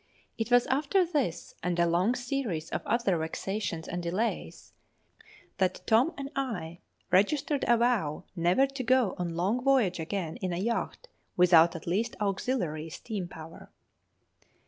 It was after this and a long series of other vexations and delays that Tom and I registered a vow never to go a long voyage again in a yacht without at least auxiliary steam power.